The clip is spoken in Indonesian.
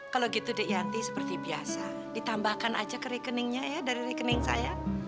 kalau gitu di yanti seperti biasa ditambahkan aja ke rekeningnya ya dari rekening saya